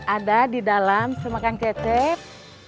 ada di dalam semakang cecep